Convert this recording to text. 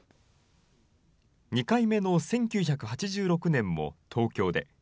２回目の１９８６年も東京で。